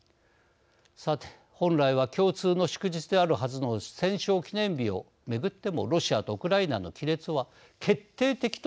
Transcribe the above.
さて本来は共通の祝日であるはずの戦勝記念日を巡ってもロシアとウクライナの亀裂は決定的となっています。